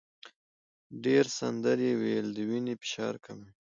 ډېر سندرې ویل د وینې فشار کموي.